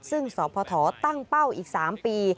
ซึ่งสพตั้งเป้าอีก๓ปี